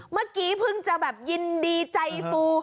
เมื่อกี้เพิ่งจะแบบยินดีใจฟู